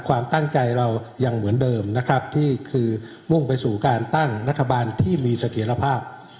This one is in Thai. ความตั้งใจเรายังเหมือนเดิมนะครับที่คือมุ่งไปสู่การตั้งรัฐบาลที่มีเสถียรภาพ